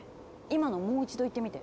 今のもう一度言ってみて。